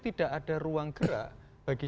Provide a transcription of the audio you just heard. tidak ada ruang gerak bagi